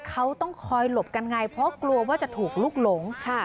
เขาต้องคอยหลบกันไงเพราะกลัวว่าจะถูกลุกหลง